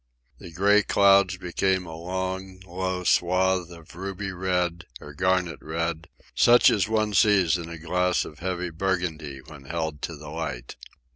The gray clouds became a long, low swathe of ruby red, or garnet red—such as one sees in a glass of heavy burgundy when held to the light.